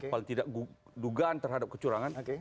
paling tidak dugaan terhadap kecurangan